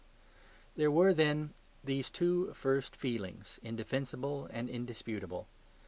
There were, then, these two first feelings, indefensible and indisputable.